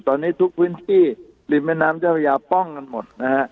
ตอนนี้ทุกพื้นที่ริมแม่น้ำเจ้าพระยาป้องกันหมดนะฮะ